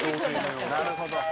「なるほど」